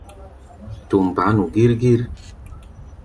Tum baá nu gír-gír.